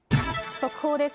速報です。